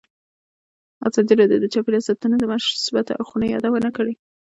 ازادي راډیو د چاپیریال ساتنه د مثبتو اړخونو یادونه کړې.